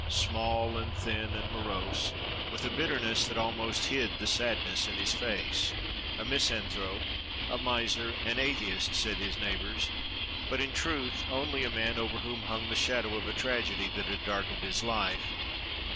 Small and thin and morose, with a bitterness that almost hid the sadness in his face. A misanthrope, a miser, an atheist, said his neighbors; but, in truth, only a man over whom hung the shadow of a tragedy that had darkened his life.